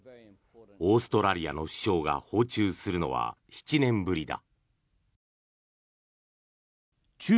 オーストラリアの首相が訪中するのは７年ぶりだ。